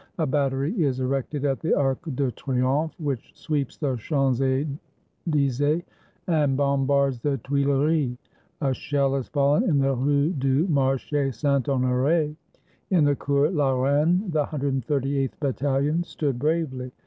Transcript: A battery is erected at the Arc de Triomphe, which sweeps the Champs Ely sees and bombards the Tuileries. A shell has fallen in the Rue du Marche Saint Honore. In the Cours la Reine the 138th battahon stood bravely.